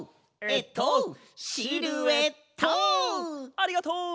ありがとう！